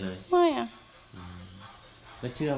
เมื่อวานหลังจากโพดำก็ไม่ได้ออกไปไหน